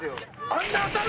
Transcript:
あんな当たる？